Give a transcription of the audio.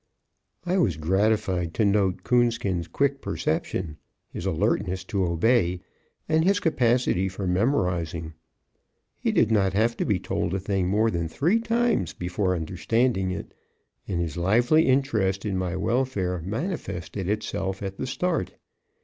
I was gratified to note Coonskin's quick perception, his alertness to obey, and his capacity for memorizing. He did not have to be told a thing more than three times before understanding it, and his lively interest in my welfare manifested itself at the start.